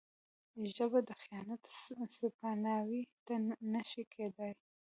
ژبه د خیانت سپیناوی نه شي کېدای.